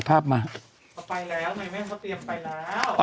เขาไปแล้วเมื่อกึ่งเขาเตรียมไปแล้ว